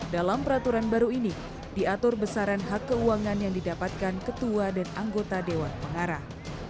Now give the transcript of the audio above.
dalam peraturan baru ini diatur besaran hak keuangan yang didapatkan ketua dan anggota dewan pengarah